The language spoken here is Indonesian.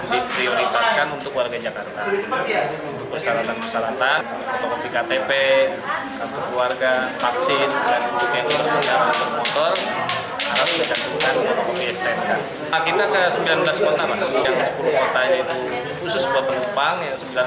diprioritaskan untuk warga jakarta persyaratan persyaratan